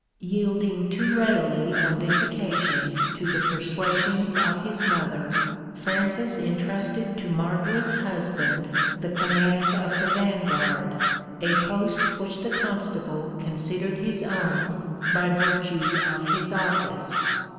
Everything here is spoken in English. Yielding too readily on this occasion to the persuasions of his mother, Francis intrusted to Margaret's husband the command of the vanguard, a post which the Constable considered his own by virtue of his office.